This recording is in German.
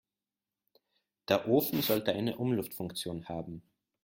Der Ofen sollte eine Umluftfunktion haben.